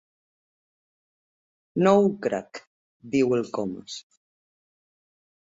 No ho crec —diu el Comas—.